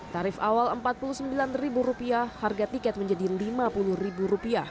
tarif awal rp empat puluh sembilan harga tiket menjadi rp lima puluh